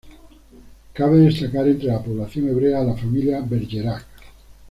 Cabe destacar, entre la población hebrea, a la familia Bergerac.